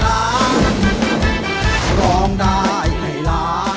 เราร้องได้ไหนล่ะ